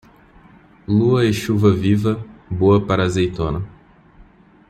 Lua e chuva viva, boa para a azeitona.